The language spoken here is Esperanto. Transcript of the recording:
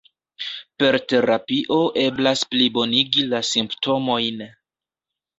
Per terapio eblas plibonigi la simptomojn.